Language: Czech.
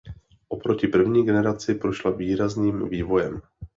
Oproti první generaci prošla výrazným vývojem.